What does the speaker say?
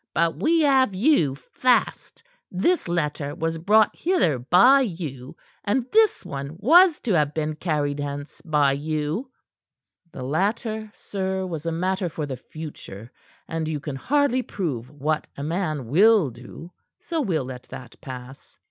"But we have you fast. This letter was brought hither by you, and this one was to have been carried hence by you." "The latter, sir, was a matter for the future, and you can hardly prove what a man will do; so we'll let that pass.